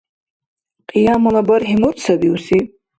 Кьиямала бархӀи мурт сабиуси?